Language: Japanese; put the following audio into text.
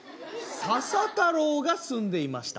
「佐々太郎が住んでいました」。